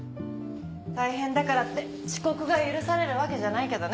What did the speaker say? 大変だからって遅刻が許されるわけじゃないけどね。